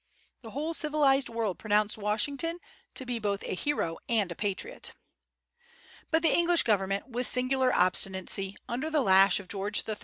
The whole civilized world pronounced Washington to be both a hero and a patriot. But the English government, with singular obstinacy, under the lash of George III.